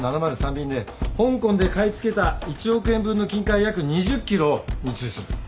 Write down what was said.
便で香港で買い付けた１億円分の金塊約２０ｋｇを密輸する。